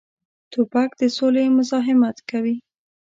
توپک د سولې مزاحمت کوي.